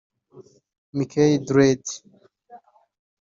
Mikey Dread